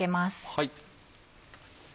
はい。